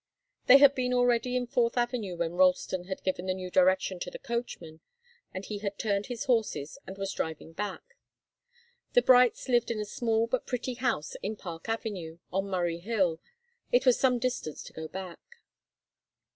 They had been already in Fourth Avenue when Ralston had given the new direction to the coachman, and he had turned his horses and was driving back. The Brights lived in a small but pretty house in Park Avenue, on Murray Hill. It was some distance to go back.